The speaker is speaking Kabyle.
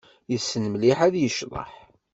Yessen mliḥ ad yecḍeḥ.